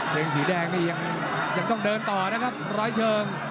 งสีแดงนี่ยังต้องเดินต่อนะครับร้อยเชิง